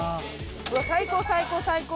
最高最高最高。